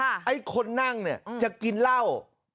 ไอ้คนนั่งเนี่ยจะกินเหล้า